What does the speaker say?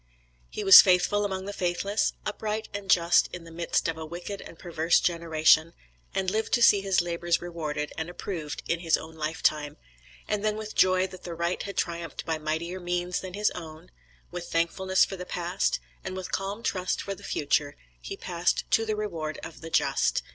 He was faithful among the faithless, upright and just in the midst of a wicked and perverse generation, and lived to see his labors rewarded and approved in his own life time, and then with joy that the Right had triumphed by mightier means than his own; with thankfulness for the past, and with calm trust for the future, he passed to the reward of the just.